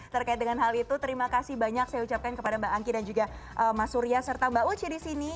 terkait dengan hal itu terima kasih banyak saya ucapkan kepada mbak angki dan juga mas surya serta mbak oce di sini